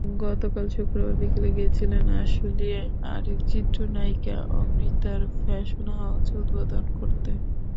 গতকাল শুক্রবার বিকেলে গিয়েছিলেন আশুলিয়ায় আরেক চিত্রনায়িকা অমৃতার ফ্যাশন হাউস উদ্বোধন করতে।